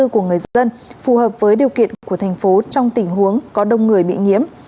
của người dân phù hợp với điều kiện của thành phố trong tình huống có đông người bị nhiễm